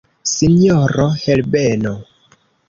Sinjoro Herbeno!